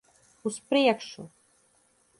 Uz priekšu!